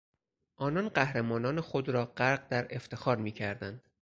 آنان قهرمانان خود را غرق در افتخار میکردند.